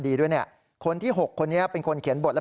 เพราะว่ามีทีมนี้ก็ตีความกันไปเยอะเลยนะครับ